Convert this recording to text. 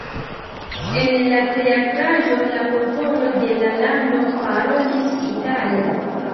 En la teatraĵo la popolo de la lando parolis itale.